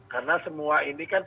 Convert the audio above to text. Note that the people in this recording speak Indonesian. karena semua ini kan